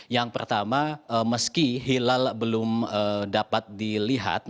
yang pertama meski hilal belum berhasil dikonsumsi dengan perubahan yang terjadi di situ